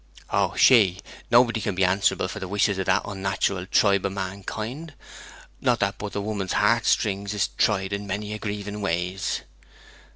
'Oh, she! Nobody can be answerable for the wishes of that onnatural tribe of mankind. Not but that the woman's heart strings is tried in many aggravating ways.'